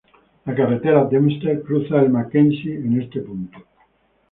La carretera Dempster cruza el Mackenzie en este punto.